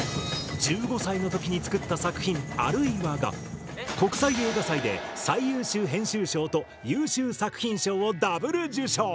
１５歳のときに作った作品「或いは。」が国際映画祭で最優秀編集賞と優秀作品賞をダブル受賞！